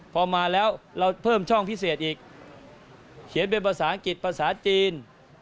พอมาแล้วเราเพิ่มช่องพิเศษอีกเขียนเป็นภาษาอังกฤษภาษาจีน